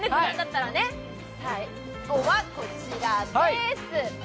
最後は、こちらです。